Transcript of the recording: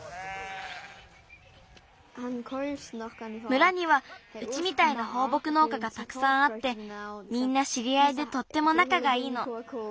村にはうちみたいなほうぼくのうかがたくさんあってみんなしりあいでとってもなかがいいの。